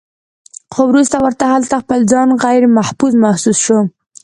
خو وروستو ورته هلته خپل ځان غيرمحفوظ محسوس شو